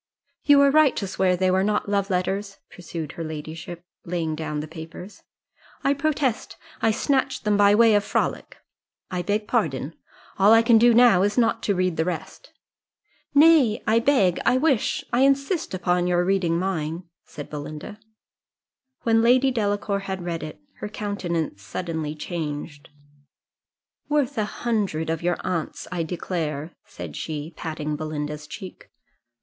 "You were right to swear they were not love letters," pursued her ladyship, laying down the papers. "I protest I snatched them by way of frolic I beg pardon. All I can do now is not to read the rest." "Nay I beg I wish I insist upon your reading mine," said Belinda. When Lady Delacour had read it, her countenance suddenly changed "Worth a hundred of your aunt's, I declare," said she, patting Belinda's cheek.